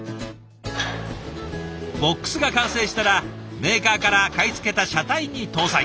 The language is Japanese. ＢＯＸが完成したらメーカーから買い付けた車体に搭載。